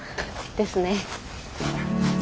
ですね。